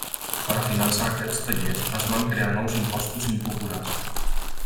Per a finançar aquests tallers es van crear nous impostos impopulars.